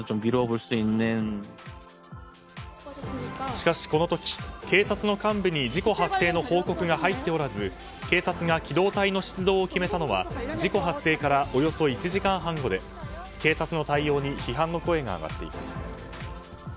しかしこのとき警察の幹部に事故発生の報告が入っておらず警察が機動隊の出動を決めたのは事故発生からおよそ１時間半後で警察の対応に批判の声が上がっています。